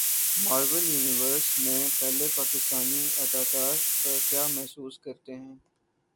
marvel universe میں پہلے پاکستانی اداکار کیا محسوس کرتے ہیں